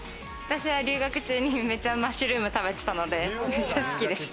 私は留学中にめっちゃマッシュルーム食べてたので、めっちゃ好きです。